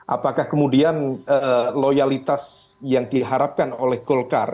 apakah kemudian loyalitas yang diharapkan oleh golkar